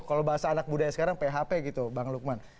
kalau bahasa anak budaya sekarang php gitu bang lukman